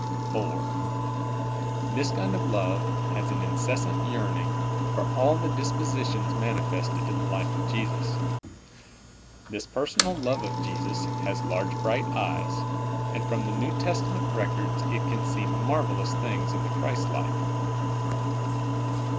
IV. This kind of love has an inceSvSant 3'earning for all the dispositions manifested in the life of Jesus. This personal love of Jesus has large, bright ej^es, and from the New Testament records it can see marvelous PERvSONAL LOVK OF JKSUS. 25 things in the Christ life.